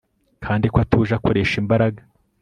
Kandi ko atuje akoresha imbaraga